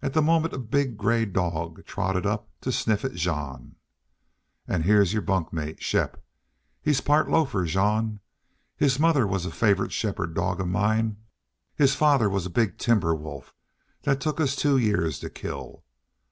At the moment a big gray dog trotted up to sniff at Jean. "An' heah's your bunkmate, Shepp. He's part lofer, Jean. His mother was a favorite shepherd dog of mine. His father was a big timber wolf that took us two years to kill.